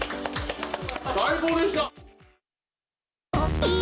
最高でした。